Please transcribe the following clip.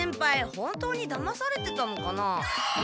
本当にだまされてたのかなあ。